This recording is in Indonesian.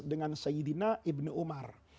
dengan sayyidina ibn umar